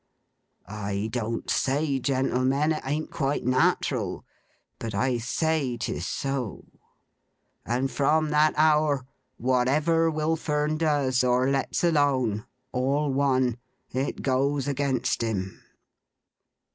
I don't say, gentlemen, it ain't quite nat'ral, but I say 'tis so; and from that hour, whatever Will Fern does, or lets alone—all one—it goes against him.